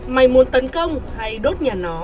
mày muốn tấn công hay đốt nhà nó